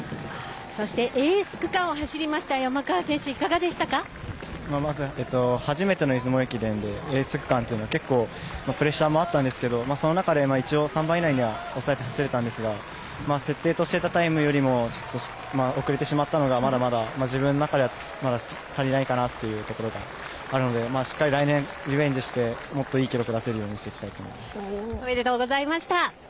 そしてエース区間を走った初めての出雲駅伝でエース区間というのは結構、プレッシャーもあったんですけどその中で３番以内には抑えて走れたんですが設定していたタイムより遅れてしまったのが、まだまだ自分の中では足りないかなというところがあるのでしっかり来年リベンジしてもっといい記録をおめでとうございました。